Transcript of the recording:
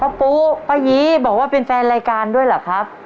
ปุ๊ป้ายีบอกว่าเป็นแฟนรายการด้วยเหรอครับ